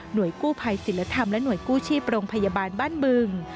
โดยกู้ภัยศิลธรรมและหน่วยกู้ชีพโรงพยาบาลบ้านบึง